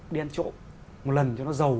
đi ăn trộm một lần cho nó giàu